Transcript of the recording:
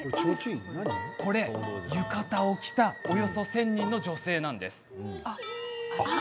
これを浴衣を着たおよそ１０００人の女性なんです。